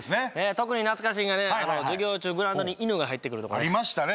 特に懐かしいんがね授業中グラウンドに犬が入ってるとかねありましたね